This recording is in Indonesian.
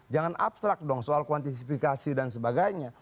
jangan abstrak dong soal kuantisifikasi dan sebagainya